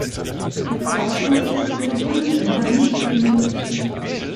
Die Verordnung ist für die Bundesländer nicht bindend.